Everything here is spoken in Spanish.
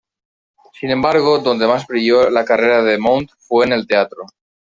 Sin embargo, donde más brilló la carrera de Mount fue en el teatro.